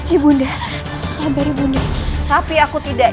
ibu undang sabar ibu undang tapi aku tidak